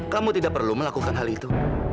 kamu tidak perlu melakukan hal itu